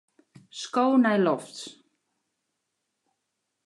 Sko nei lofts.